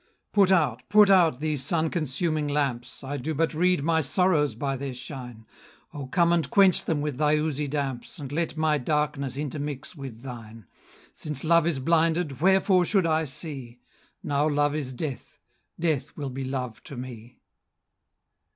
"Put out, put out these sun consuming lamps, I do but read my sorrows by their shine; O come and quench them with thy oozy damps, And let my darkness intermix with thine; Since love is blinded, wherefore should I see? Now love is death, death will be love to me!"